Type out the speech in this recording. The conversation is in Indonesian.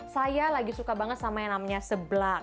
saya lagi suka banget sama yang namanya seblak